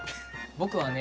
僕はね